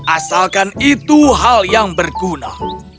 asalkan itu hal yang berguna